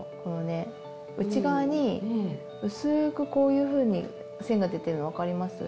薄くこういうふうに線が出てるの分かります？